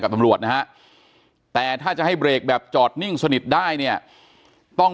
ตำรวจนะฮะแต่ถ้าจะให้เบรกแบบจอดนิ่งสนิทได้เนี่ยต้อง